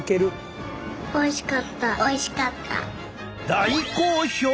大好評！